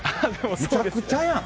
むちゃくちゃやん。